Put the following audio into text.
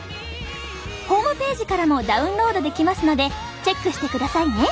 ホームページからもダウンロードできますのでチェックしてくださいね。